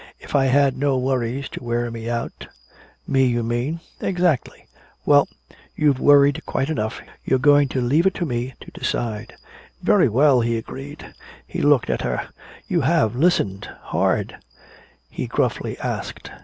"If I had no worries to wear me out " "Me, you mean." "Exactly." "Well, you've worried quite enough. You're going to leave it to me to decide." "Very well," he agreed. He looked at her. "You have listened hard?" he gruffly asked.